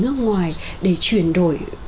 nước ngoài để chuyển đổi